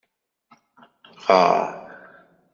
Ɣer!